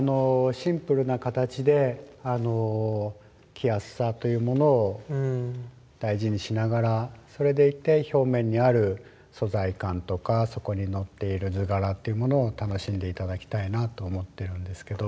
シンプルな形で着やすさというものを大事にしながらそれでいて表面にある素材感とかそこにのっている図柄っていうものを楽しんで頂きたいなと思ってるんですけど。